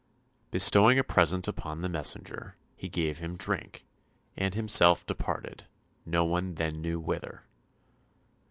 Bestowing a present upon the messenger, he gave him drink, and himself departed, no one then knew whither.